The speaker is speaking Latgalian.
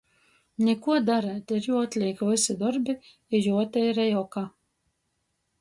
Nikuo dareit, ir juoatlīk vysi dorbi i juoteirej oka.